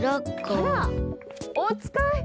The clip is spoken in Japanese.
あらおつかい？